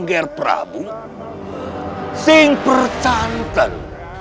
panger prabu sing percanten